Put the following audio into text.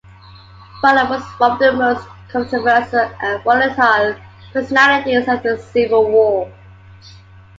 Butler was one of the most controversial and volatile personalities of the Civil War.